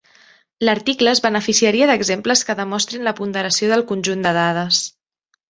L'article es beneficiaria d'exemples que demostrin la ponderació del conjunt de dades.